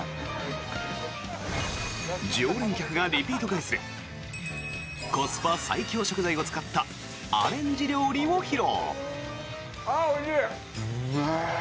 常連客がリピート買いするコスパ最強食材を使ったアレンジ料理を披露！